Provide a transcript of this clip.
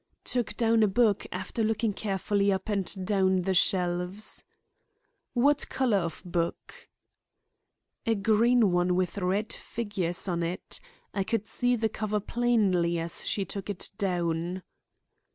"Took down a book, after looking carefully up and down the shelves." "What color of book?" "A green one with red figures on it. I could see the cover plainly as she took it down."